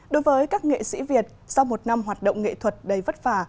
đối với các nghệ sĩ việt do một năm hoạt động nghệ thuật đầy vất vả